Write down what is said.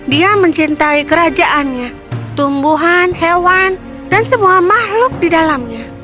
dia mencintai kerajaannya tumbuhan hewan dan semua makhluk di dalamnya